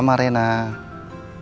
udah jagain aku